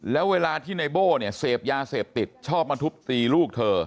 แล้วเวลาที่ในโบ้เนี่ยเสพยาเสพติดชอบมาทุบตีลูกเธอ